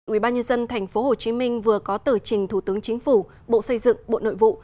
ủy ban nhân dân tp hcm vừa có tờ trình thủ tướng chính phủ bộ xây dựng bộ nội vụ